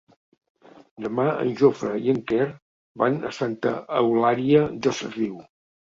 Demà en Jofre i en Quer van a Santa Eulària des Riu.